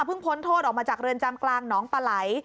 พ้นโทษออกมาจากเรือนจำกลางหนองปลาไหล